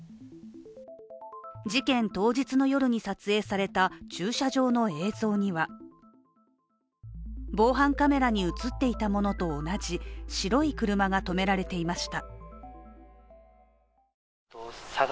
事件当日の夜に撮影された駐車場の映像には防犯カメラに映っていたものと同じ白い車が止められていました。